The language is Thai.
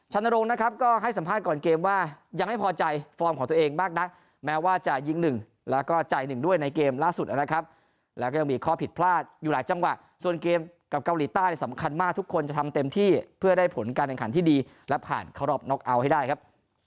จ่ายหนึ่งด้วยในเกมล่าสุดแล้วนะครับแล้วก็ยังมีข้อผิดพลาดอยู่หลายจังหวะส่วนเกมกับเกาหลีต้านสำคัญมากทุกคนจะทำเต็มที่เพื่อได้ผลการแข่งขันที่ดีและผ่านเข้ารอบน็อกอัวให้ได้ครับ